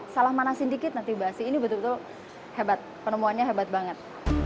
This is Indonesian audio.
salah manasin dikit nanti basi ini betul betul hebat penemuannya hebat banget